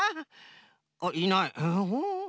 あっいない。